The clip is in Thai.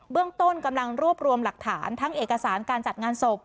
เรื่องต้นกำลังรวบรวมหลักฐานทั้งเอกสารการจัดงานศพ